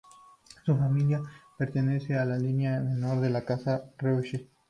Su familia pertenecía a la línea menor de la Casa de Reuss.